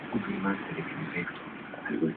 Edvard Lauritz Ehlers